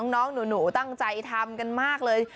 น้องหนูตั้งใจทำกันมากเลย